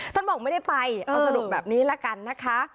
ท่านบอกไม่ได้ไปเอาสรุปแบบนี้ละกันนะคะ